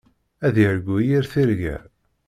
Ad yargu yir tirga.